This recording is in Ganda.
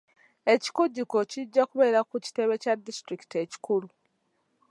Ekikujjuko kijja kubeera ku kitebe kya disitulikiti ekikulu.